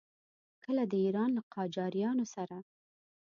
کله د ایران له قاجاریانو سره.